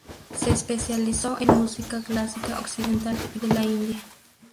Se especializó en música clásica occidental y de la India.